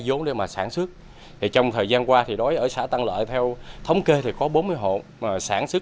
dốn để mà sản xuất trong thời gian qua thì đói ở xã tăng lợi theo thống kê thì có bốn mươi hộ sản xuất